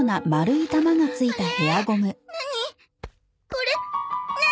これ何！？